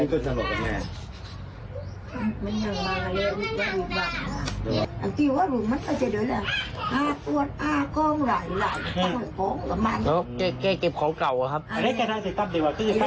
โจ๊กมันไกลมันหาไกลมันทำอะไร